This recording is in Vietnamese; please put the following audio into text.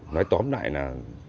nói tóm lại là